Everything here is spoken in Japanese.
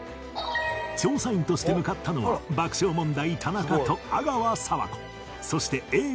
調査員として向かったのは爆笑問題田中と阿川佐和子そして Ａ ぇ！